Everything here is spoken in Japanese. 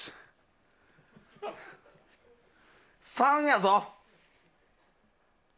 ３やぞ。